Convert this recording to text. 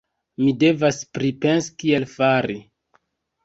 Mi devas pripensi kiel fari.